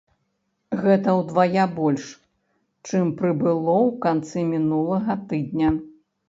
Гэта ўдвая больш, чым прыбыло ў канцы мінулага тыдня.